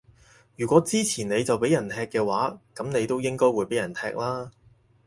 如果支持你就畀人踢嘅話，噉你都應該會畀人踢啦